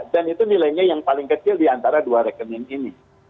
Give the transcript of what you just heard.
dan itu nilainya yang paling kecil di antara dua rekening ini